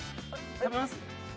・食べます？